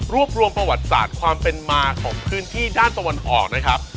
รวมประวัติศาสตร์ความเป็นมาของพื้นที่ด้านตะวันออกนะครับ